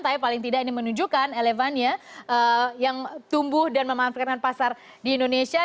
tapi paling tidak ini menunjukkan elevania yang tumbuh dan memanfaatkan pasar di indonesia